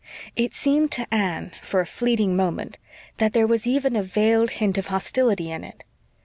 It seemed to Anne, for a fleeting moment, that there was even a veiled hint of hostility in it.